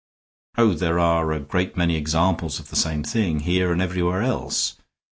Oh, there are a great many examples of the same thing, here and everywhere else.